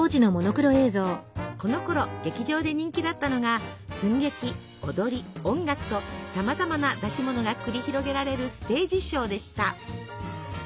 このころ劇場で人気だったのが寸劇踊り音楽とさまざまな出し物が繰り広げられるステージショーでした。